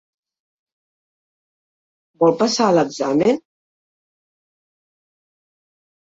Vol passar a l'examen?